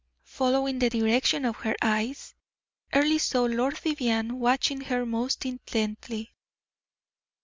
Following the direction of her eyes, Earle saw Lord Vivianne watching her most intently.